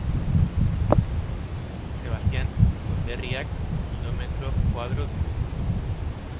Sebastian konderriak kilometro koadro ditu.